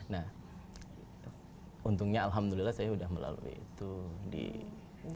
nah untungnya alhamdulillah saya sudah melalui itu di tahun kemarin